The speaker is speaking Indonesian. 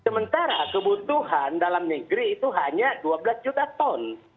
sementara kebutuhan dalam negeri itu hanya dua belas juta ton